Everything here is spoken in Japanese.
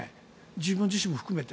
自分自身も含めて。